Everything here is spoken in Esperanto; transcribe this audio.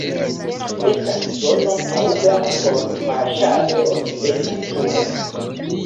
Estas zono taŭga por marŝado en naturo.